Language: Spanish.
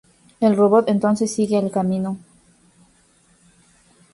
El robot entonces sigue el camino.